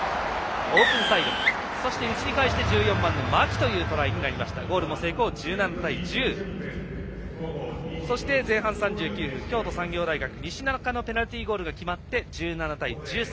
オープンサイドに内に返して槇というトライになってゴールも成功、１７対１０そして、前半３９分京都産業大学西仲のペナルティーゴールが決まって１７対１３